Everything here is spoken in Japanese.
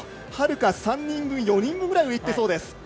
はるか３人分、４人分いってそうです。